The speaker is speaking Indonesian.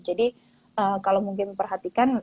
jadi kalau mungkin memperhatikan